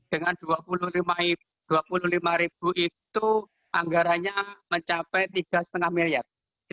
dengan dua puluh lima ribu itu anggaranya mencapai tiga enam miliar